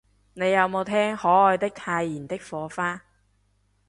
你有無聽可愛的太妍的火花